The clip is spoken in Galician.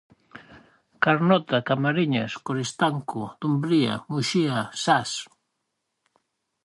Carnota, Camariñas, Coristanco, Dumbría, Muxía, Zas...